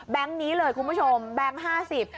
แบงค์นี้เลยคุณผู้ชมแบงค์๕๐